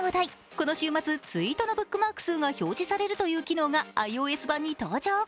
この週末ツイートのブックマーク数が表示されるという機能がｉＯＳ版に登場。